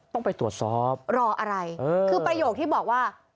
ต้องไปตรวจสอบรออะไรคือประโยคที่บอกว่า